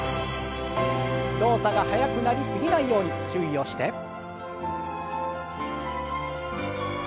動作が速くなり過ぎないように注意をして。